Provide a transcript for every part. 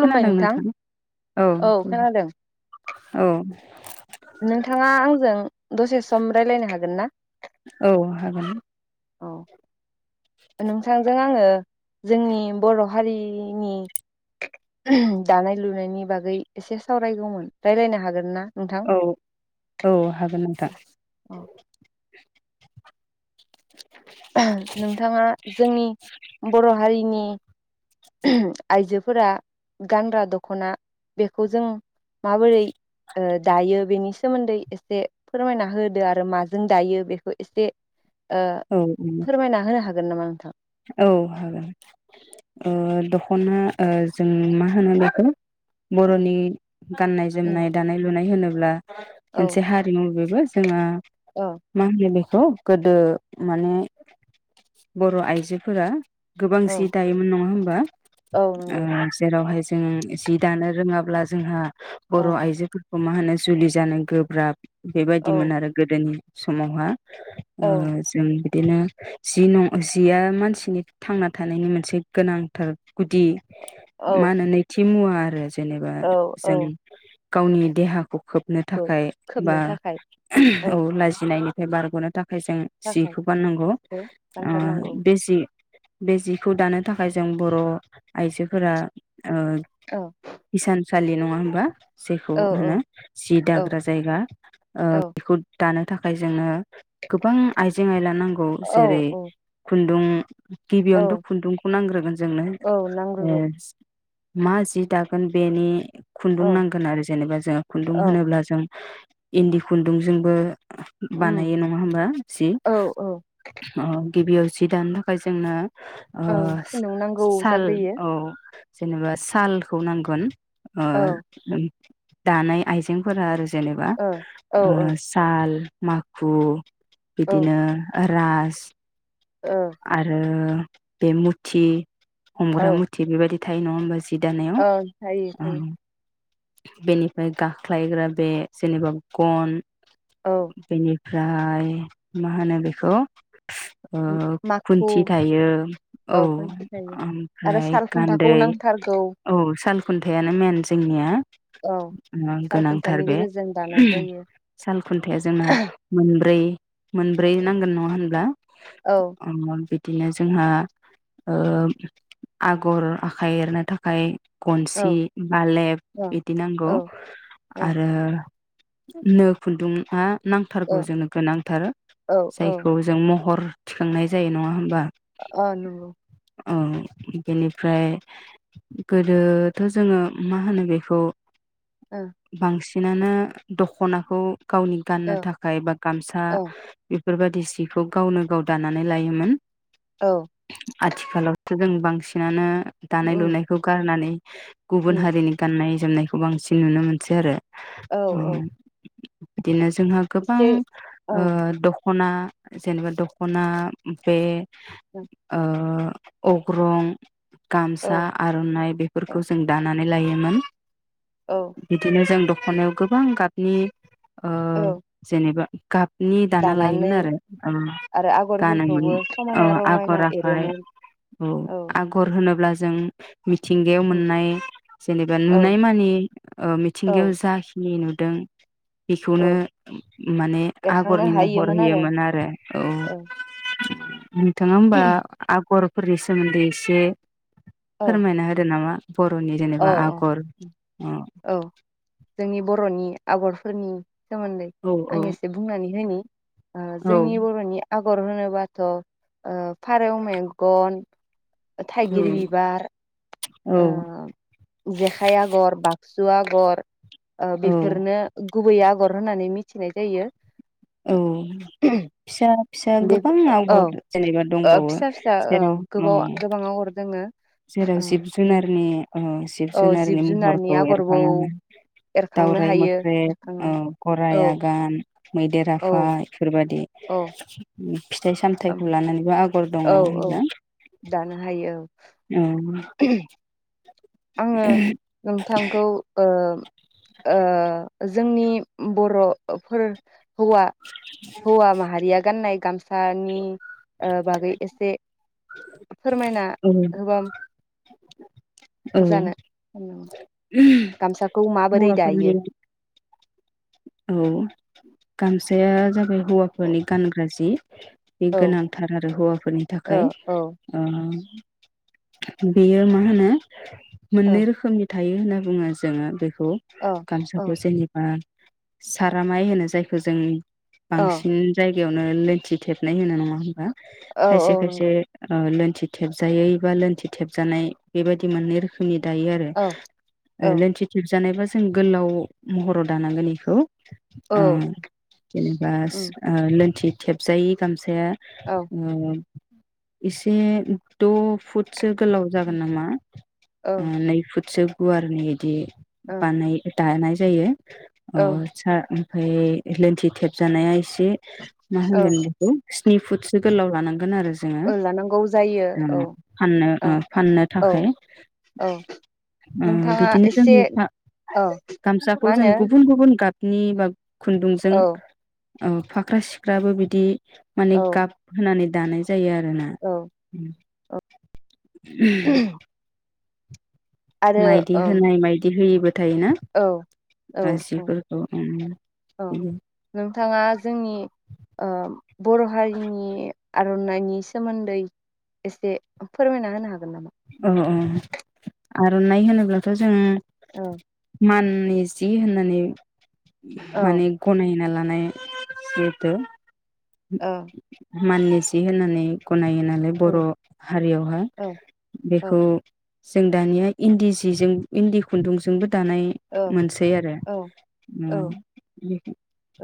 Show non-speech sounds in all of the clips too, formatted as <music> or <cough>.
खोनादों नोंथां औ खोनादों औ नोंथाङा आंजों दसे सम राय्लायनो हागोन ना? औ हागोन। औ नोंथांजों आङो जोंनि बर' हारिनि दानाय लुनायनि बागै एसे सावरायगौमोन रायलायनो हागोन ना? नोंथां औ औ हागोन नोंथां। अ <unintelligible> नोंथाङा जोंनि बर हारिनि <unintelligible> आइजोफोरा गानग्रा दखना बेखौ जों माबोरै ओ दायो बेनि सोमोन्दै एसे फोरमायना होदो आरो माजों दायो बेखौ एसे ओ औ फोरमायना होनो हा गोन नामा नोंथां। औ हागोन ओ दखना ओ जों मा होनो बेखौ औ बरनि गाननाय जोमनाय दानाय लुनाय होनो ब्ला औ मोनसे हारिमु बेबो जोङो औ मा होनो बेखौ खौ गोदो माने बर आइ जोफोरा गोबां सि औ दायोमोन नङा होमबा औ ओ नंगौ जेरावहाय ओ जि दानो रोङाब्ला जोंहा बर औ आइजोफोर अ मा होनो जुलि जानो गोब्राब बेबायदिमोन औ आरो गोदोनि समावहा ओ औ जोम बिदिनो जि जिया मानसिनि थांना थानायनि मोनसे गोनांथार गुदि औ माहोनो नैथि मुवा आरो जेनेबा औ जों औ गावनि देहाखौ खोबनो खौ थाखाय बा खोबनो थाखाय औ लाजिनायनि बारगनो थाखाय ओमफाय जों थाखाय जिखौ गाननांगौ खौ गानथारनांगौ बे जिखौ दानो थाखाय जों बर आइजोफोरा ओ औ हिसानसालि नङा मा जायखौ औ होनो औ जि औ दाग्रा जायगा औ बेखौ दानो थाखाय जोङो गोबां आइजें आइला नांगौ औ जेरै औ खुन्दुं गिबियावनोथ औ खुन्दुंखौ नांग्रोगोन जोंनो औ नांग्रोगौ मा जि दागोन बेनि औ खुन्दुं नांगोन आरो जेनेबा जोंङ खुन्दुं औ होनोब्ला जों इन्दि खुन्दुंजोंबो उम बानायो नङा होमबा जि औ औ अ गिबियाव जि दानो थाखाय जोंनो औ खुन्दुं नांगौ साल जाग्रोयो औ जेननोबा सालखौ नांगोन औ आरो दानाय आइजेंफोरा आरो जेनेबा औ औ साल माखु औ बिदिनो फ्रास आरो बेमुथि औ हमग्रा मुथि बेबायदि थाय नंआ होनबाजि औ जायो जायो बेनिफ्राय गाख्लायग्रा बे जेनेबा गन औ बेनि ओमफ्राय मा होनो बेखौ ओ माखु खुन्थि थायो औ खनसे थायो आरो ओमफ्राय साल खुन्थाखौ गान्दै नांथारगौ औ साल खुन्थायानो मेन जोंनिया औ साल खुन्थानि गोनांथार बे गेजेरजों दानाय जायो साल खुन्थाया जोंना मोनब्रै मोनब्रै नांगोन नङा होनब्ला औ <unintelligible> बिदिनो जोंहा ओ आगर आखाइ एरनो थाखाय गनसि औ बालेब औ बिदि औ नांगौ आरो नो खुन्दुंआ औ नांथारगौ जोंनो गोनांथार औ औ जायखौ जों म हर थिखांनाय जायो नङा होनबा अ नुंगौ उम्म बेनिफ्राय गोदोथ जोंङो मा होनो बेखौ ओ बांसि बेनाना दखनाखौ गावनि गाननो थाखाय बा गामसा ओ औ बेफोरबायदि सिखौ गावनो गाव दानानै लायोमोन। औ आथिखालावथो जों बांसिनानो दानाय उम लुनायखौ गारनानै गुबुन उम हारिनि गाननाय जोमनायखौ बांसिन नुनो मोनसै आरो औ औ बिदिनो जोंहा गोबां एसे ओ दख खना जेनेबा दखना बे औ ओ अग्रं गामसा, औ आरनाइ बेफोरखौ जों दानानै - लायोमोन औ बिदिनो जों द खनायाव गोबां गाबनि ओ औ जेनेबा गाब नि दाना लायोमोन दानानै आरो औ आरो गानोमोन आगरफोरखौबो औ समायना रमायना आगराखाय एरोमोन औ आगर होन होनोब्ला जों मिथिंगायाव उम मोननाय जेनेबा औ नुनाय मानि ओ मिथिंगायाव औ जाखिनि नु दों बेखौनो औ माने एरखांनो आगरनि महर हायोमोन होयोमोन आरो। औ <inaudible> नोंथाङा होमबा आगर फोरनि सोमोन्दै इसे औ फोरमायना होदो नामा। बर'नि औ जेनेबा आगर अ औ जोंनि बर'नि आगरफोरनि सोमोन्दै औ आं एसे बुंनानै होनि ओ औ जोंनि बर'नि आगर होनोबाथ' ओ फारौ मेगन औ थाइगिर बिबार, औ आ जेखाया गर बा। सु आगर ओ औ बेफोरनो गुबै आ गर होननानै मिथिनाय जायो। औ फिसा फिसा बे गोबां औ आगर जेनेबा दंबावो फिसा फिसा ओ जेराव औ गोबाव गोबां आगर दोङो जेराव जिब जुनार <unintelligible> जिब औ जुनारनि जिब जुनारनि महरखौ आगरबो एरखाङो। एरखांनो दावराय हायो मोख्रेब, ओ एरखांनो औ गराय आगान, मैदेर आफा औ एफोरबायदि। औ। फिथाइ सामथाइखौ लानानैबो आग औ औ दानो हायो औ। औ आङो नोंथांखौ ओ। ओ जोंनि बर'फोर हौवा हौवा माहारिया गाननाय गामसानि ओ बागै एसे फोरमायना औ होबा म औ गोजानो गामसाखौ माबोरै दायो। हौवाफोरनि औ गामसाया जाबाय औ हौवाफोरनि गानग्रा जि बे औ गोनांथार आरो हौवाफोरनि थाखाय। औ ओ बेयो मा होनो औ मोननै रोखोमनि था थायो होनना बुङो जोङो। बेखौ खौ औ गामसाखौ जेनेबा सारामाइ होनो जायखौ जों औ बांसिन जायगा यावनो लोंथि थेबनाय होनो नङा होनबा औ औ खायसे खायसे नंगौ ओ लोन लोंथि थेबजायै बा लोनथि थेबजानाय बेबायदि मोननै रोखोमनि दायो आरो औ औ ओ लोंथि थेबजानायबा जों गोलाव महराव दानांगोन। बेखौ औ ओ जेनेबा उम ओ लोनथि थेबजायै गामसाया औ उम। एसे द फुट फुटसो गोलाव औ जागोन नामा ओ नै फुटसो गुवारनो इदि औ बानाय दानाय जायो। अ औ सा ओमफाय लोन्थि थेब जानाया एसे मा होनगोन बेखौ स्नि फुट गोलाव लानांगौ। लागोन आरो जोंङो ओ लानांगौ जायो औ ओ फाननो औ ओ फाननो औ थाखाय औ ओ नोंथाङा बेदिनो एसे जोङो औ गामसाखौ मा होनो गुबुन-गुबुन गाबनि बा खुन्दुंजों औ औ फाख्रा सिख्राबो बिदि माने औ गाबहोनानै दानाय जायो आरो होना औ <unintelligible> आरो माइदि ओम होनाय माइदि होइबो औ औ औ ओम औ नोंथाङा जोंनि ओ बर' हारिनि आरनाइनायनि सोमोन्दै एसे फोरमायना होनो हा ओं अ आरनाइ होनोब्लाथ जों औ माननि जि होननानै औ माने गनाय ना लानाय जिहेथु ओ माननि जि होननानै गनायोना माने औ बर' हारियावहाय औ औ बेखौ जों दानिया इन्दि जिजों इन्दि खुन्दुंजोंबो दानाय औ मोनसै आरो औ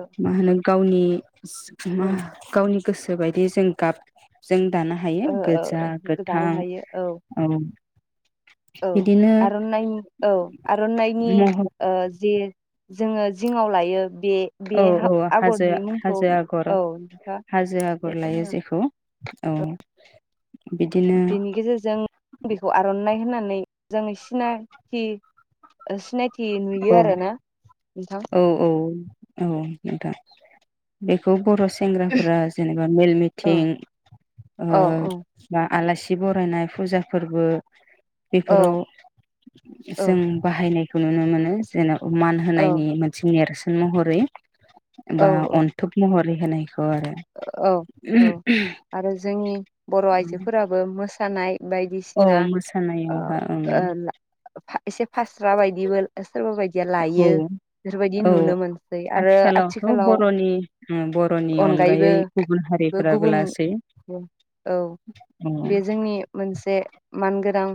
औ <unintelligible> मा होनो गावनि उम <unintelligible> गावनि गोसोबायदि जों गाब जों दानो हायो ओ गोजा ओ जानो गोथां हायो औ औ बिदिनो आरनाइ औ आरनाइनि महर ओ जि जोङो जिङाव लायो बे बे औ औ हाजो आगरनि मुंखौ हाजो आगर औ नोंथाङा हाजो एसे आगर लायो फोरमायना जेखौ औ बिदिनो बेनि गेजेरजों बेखौ आरनाइ होनना नै जों सिना थि ओ सिनाय थि औ नुयो आरो ना नोंथां औ औ औ नोंथां बेखौ बर' सेंग्राफोरा जेनेबा मेल औ मिटिं ओ औ औ बा आलासि बरायनाय फुजाफोरबो औ बेफोराव औ जों बाहायनाय नुनो मोनो जेन मान औ होनायनि मोनसे नेरसो न महरै बा औ अन्थोब महरै है होनाय औ औ आरो जोंनि बर'आइजोफोराबो मोसा सानाय औ बायदिसिना ओ मोसानायावहा ओं ओ ला फा एसे फास्रा बायदिबो सोरबा बायदिया औ लायो बेफोरबायदि औ नुनो मोनसै आरो आथिखालावथ' आथिखालाव नगायै अनगायैबो गुबुन हारिफ्राबो गुबुन लासै औ बे जोंनि मोनसे मानगोनां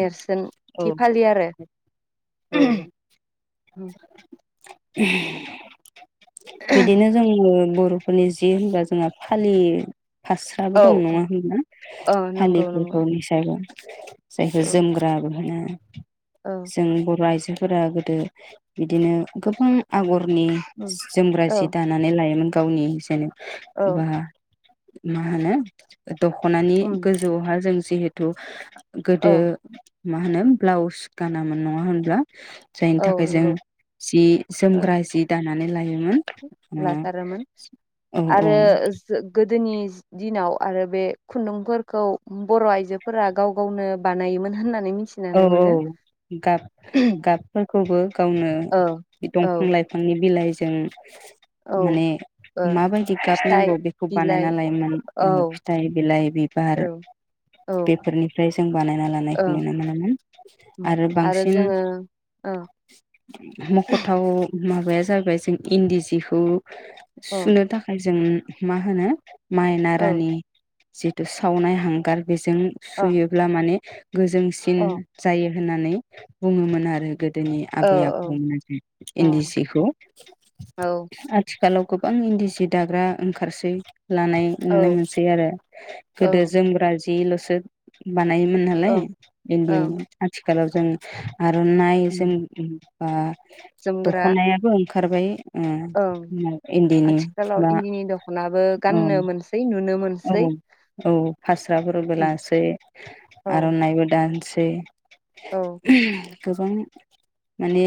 नेरसोन औ थि फालि आरो। हुम बिदिनो जोंङो बर'फोरनि जि होनबा जोंहा फालियो औ फास्राबो दं औ नङा होनबा ओ नंगौ फालिफोर नंगौ रलिसाबो जायखौ औ जोमग्रा बो होनो औ जों बर' आइजो फोरा गोदो बिदिनो गोबां आगर नि उम जोमग्रा औ जि दानानै लायोमोन गावनि जेने औ बा मा होनो ओ दख'नानि उम गोजौहा जों जिहेतु औ गोदो मा होनो ब्लाउस गानामोन नंङा होनब्ला? जायनि औ थाखाय जों नंगौ जि ओ जोमग्रा जि दानानै लायो लाथारोमोन ओ औ औ आरो जों गो दोनि दिनाव आरो बे खुन्दुंफोरखौ बर'आइजोफोरा गाव गावनो बानायोमोन होनना औ औ गाब गाबफोरखौबो गावनो औ औ दंफां लाइफांनि बिलाइ जों औ माने ओ माबायदि फिथाइ गाबनांगौ बेखौ बिलाइ बानायना लायोमोन औ फिथाइ बिलाइ बिबार औ औ बेफोरनिफ्राय जों बानायना औ लानायखौ नुनो मोनो। आरो बांसिन औ मख'थाव माबाया जाबाय जों इन्दि जिखौ औ सुनो थाखाय जों माहोनो औ माइनारानि जिथु सावनाय हांगार बेजों औ सुयोब्ला माने गोजों सिन औ जायो होननानै बुङोमोन आरो गो दोनि औ आबै आबौ मोना इन्दि औ जिखौ आथि खालाव गोबां इन्दि जि दाग्रा ओंखारसै। लानाय नुनो मोनसै आरो औ गोदो जोमग्रा जि बेलसो बानायोमोन नालाय। ओं ओं इन्दिनि आथि खालाव जों आरननाय जों बा जोमग्रा दखनायाबो ओंखारबाय। ओं ओ इन्दिनि आथिखालाव बा इन्दिनि दख'नाबो औ गाननो मोनसै नुनो मोनसै औ औ फास्राफोरबो लासै औ आरनाइबो गानसेै। औ <unintelligible> गोबां माने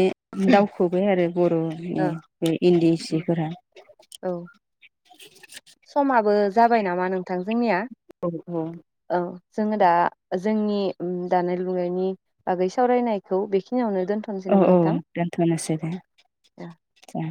दावखोबाय आरो बर'नि बे इन्दि ओ सिफोरा औ <inaudible> समाबो जाबाय नामा नोंथां जोंनिया औ औ। औ जोङो दा जोंनि उम दानाय लुनायनि बागै सावरायनायखौ बेखिनियावनो दोनथ'नोसै औ नामा औ नोंथां? दोनथनोसै दे दे।